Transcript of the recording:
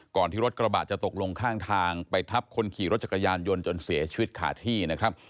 ที่รถกระบะจะตกลงข้างทางไปทับคนขี่รถจักรยานยนต์จนเสียชีวิตขาดที่นะครับ